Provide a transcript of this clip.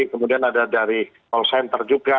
kemudian ada dari call center juga